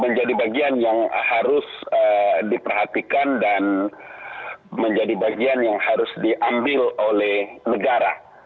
menjadi bagian yang harus diperhatikan dan menjadi bagian yang harus diambil oleh negara